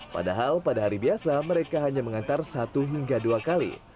padahal pada hari biasa mereka hanya mengantar satu hingga dua kali